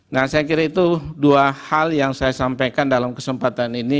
nah saya kira itu dua hal yang saya sampaikan dalam kesempatan ini